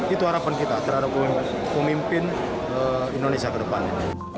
itu harapan kita terhadap pemimpin indonesia ke depannya